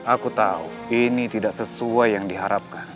aku tahu ini tidak sesuai yang diharapkan